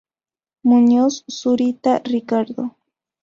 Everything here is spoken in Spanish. Muñoz Zurita, Ricardo.